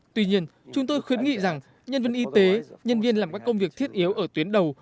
tuy nhiên chúng tôi khuyến nghị rằng nhân viên y tế nhân viên làm các công việc thiết yếu ở tuyến đầu